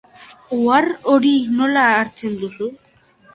Ohar hori nola hartzen duzu?